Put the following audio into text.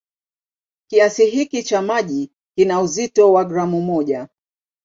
Kiasi hiki cha maji kina uzito wa gramu moja.